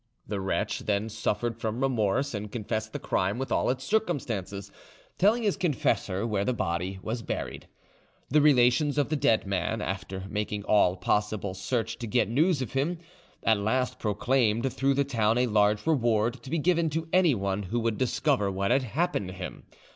The wretch then suffered from remorse, and confessed the crime with all its circumstances, telling his confessor where the body was buried. The relations of the dead man, after making all possible search to get news of him, at last proclaimed through the town a large reward to be given to anyone who would discover what had happened to him.